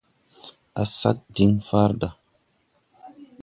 Á sa̧a̧n diŋ farda.